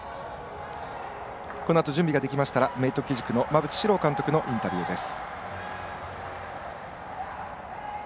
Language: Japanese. このあと準備ができましたら明徳義塾の馬淵史郎監督のインタビューです。